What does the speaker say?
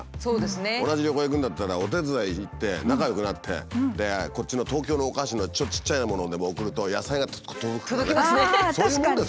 同じ旅行行くんだったらお手伝い行って仲よくなってこっちの東京のお菓子のちょっとちっちゃいものでも送ると野菜が届くからね。